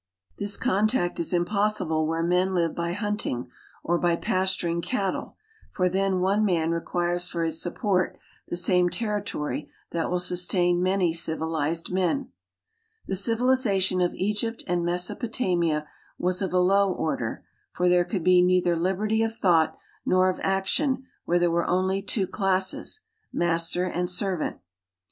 This contact is impossible where men live by hunting, or by pasturing cattle, for then one man requires for his support the same territory that will sustain many civilized men. The civilization of Egypt and Mesopotamia was of a low order, for there could be neither liberty of thought nor of action where there were only two classes, master and servant.